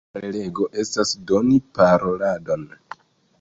Prelego estas doni paroladon.